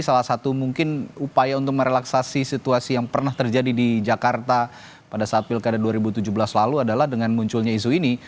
salah satu mungkin upaya untuk merelaksasi situasi yang pernah terjadi di jakarta pada saat pilkada dua ribu tujuh belas lalu adalah dengan munculnya isu ini